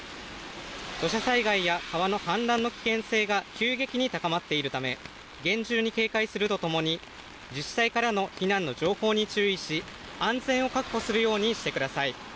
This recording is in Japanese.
土砂災害や川の氾濫の危険性が急激に高まっているため厳重に警戒するとともに自治体からの避難の情報に注意し安全を確保するようにしてください。